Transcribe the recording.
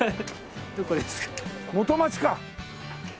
元町か！